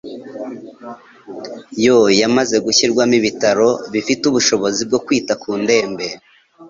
yo yamaze gushyirwamo ibitaro bifite ubushobozi bwo kwita ku ndembe